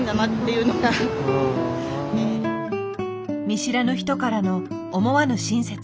見知らぬ人からの思わぬ親切。